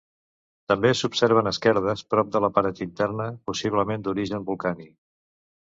També s'observen esquerdes prop de la paret interna, possiblement d'origen volcànic.